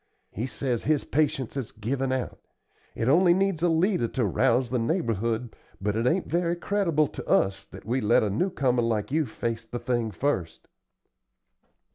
He says his patience has given out. It only needs a leader to rouse the neighborhood, but it ain't very creditable to us that we let a new comer like you face the thing first."